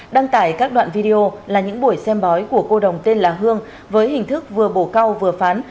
đăng tải các đoạn video là những buổi xem bói của cô đồng tên là hương với hình thức vừa bổ cao vừa phán